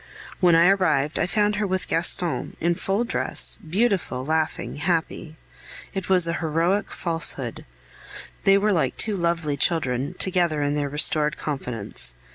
When I arrived, I found her with Gaston, in full dress, beautiful, laughing, happy. It was a heroic falsehood! They were like two lovely children together in their restored confidence.